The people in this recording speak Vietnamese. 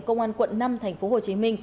công an quận năm tp hcm